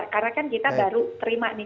karena kan kita baru terima nih